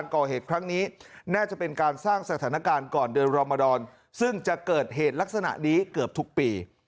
นั้นนี้เกือบทุกปี